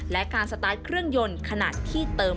และการสตาร์ทเครื่องยนต์ขณะที่เติม